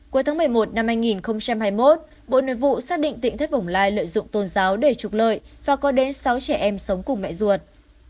cuối tháng một mươi một năm hai nghìn hai mươi một bộ nội vụ xác định tịnh thất bồng lai lợi dụng tôn giáo để trục lợi và có đến sáu trẻ em sống cùng mẹ ruột